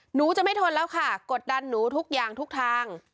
หนูจะไม่ทนแล้วค่ะกดดันหนูทุกอย่างทุกทาง